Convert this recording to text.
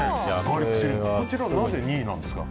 こちらはなぜ２位なんですか。